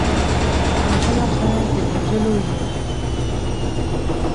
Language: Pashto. او بالاخره د وژلو یې.